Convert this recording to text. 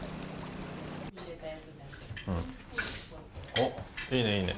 おっいいねいいね。